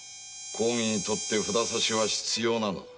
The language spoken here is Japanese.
公儀にとって札差は必要なのだ。